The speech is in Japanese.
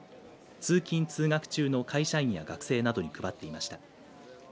・通学者の会社員や学生などに配っていました。